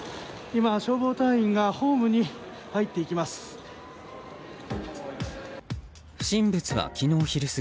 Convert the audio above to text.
今、消防隊員がホームに入っていきます。